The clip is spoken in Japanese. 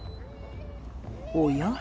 おや？